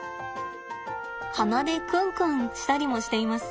鼻でクンクンしたりもしています。